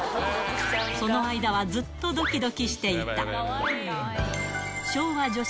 その間はずっとどきどきしていた。